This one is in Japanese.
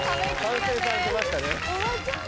完成されてましたね。